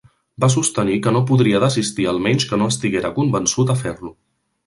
Va sostenir que no podria desistir almenys que no estiguera convençut a fer-lo.